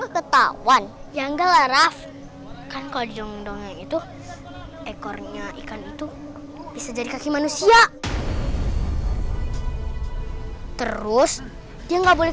ketahuan yang galera kan kau jendong itu ekornya ikan itu bisa jadi manusia terus dia nggak boleh